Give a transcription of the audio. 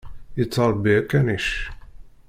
Yettṛebbi akanic.